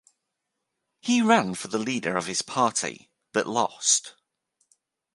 He ran for the leader of his party, but lost.